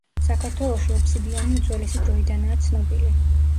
საქართველოში ობსიდიანი უძველესი დროიდანაა ცნობილი.